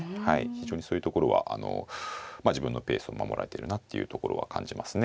非常にそういうところはあのまあ自分のペースを守られてるなっていうところは感じますね。